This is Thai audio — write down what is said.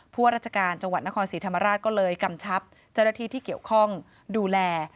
พวกราชการจังหวัดนครศรีธรรมราชก็เลยกำชับเจ้าหน้าที่ที่เกี่ยวข้องดูแล